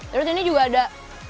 terus ini juga ada